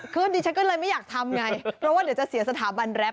ดิฉันก็เลยไม่อยากทำไงเพราะว่าเดี๋ยวจะเสียสถาบันแรป